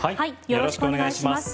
よろしくお願いします。